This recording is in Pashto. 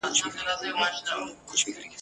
حاجي مریم اکا معلومات ورکړي ول.